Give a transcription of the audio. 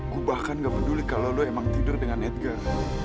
gue bahkan gak peduli kalau lo emang tidur dengan netgur